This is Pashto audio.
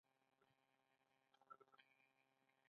زردالو وچول کیږي او ممیز جوړوي